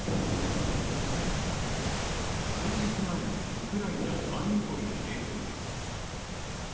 数日前のウクライナ・マリウポリの映像です。